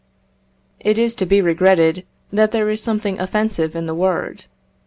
It is to be regretted that there is something offensive in the word.